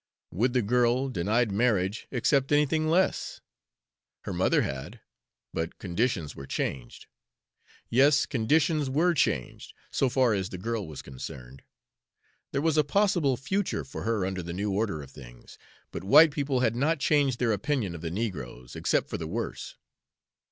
Would the girl, denied marriage, accept anything less? Her mother had, but conditions were changed. Yes, conditions were changed, so far as the girl was concerned; there was a possible future for her under the new order of things; but white people had not changed their opinion of the negroes, except for the worse.